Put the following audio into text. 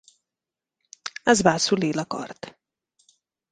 Es va assolir l'acord.